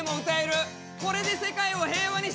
これで世界を平和にしましょう。